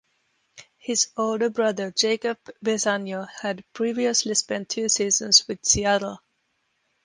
His older brother Jacob Besagno had previously spent two seasons with Seattle.